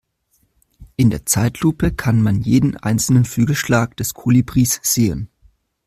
In der Zeitlupe kann man jeden einzelnen Flügelschlag des Kolibris sehen.